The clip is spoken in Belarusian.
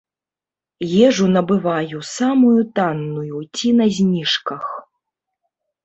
Ежу набываю самую танную ці на зніжках.